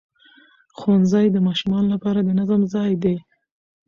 ښوونځی د ماشومانو لپاره د نظم ځای دی